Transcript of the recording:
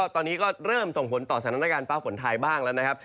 ตอนนี้ก็เริ่มส่งผลต่อสถานการณ์ฟ้าฝนไทยบ้างแล้วนะครับ